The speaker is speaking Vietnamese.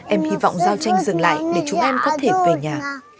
em hy vọng giao tranh dừng lại để chúng em có thể về nhà